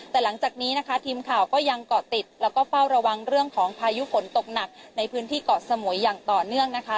แต่หลังจากนี้นะคะทีมข่าวก็ยังเกาะติดแล้วก็เฝ้าระวังเรื่องของพายุฝนตกหนักในพื้นที่เกาะสมุยอย่างต่อเนื่องนะคะ